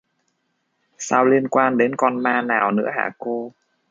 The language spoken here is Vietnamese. sao liên quan đến con ma nào nữa hả cô